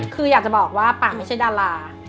คืออยากจะบอกว่าป่าไม่ใช่ดารา